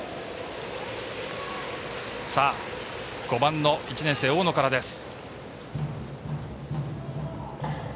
さあ５番の１年生、大野からです。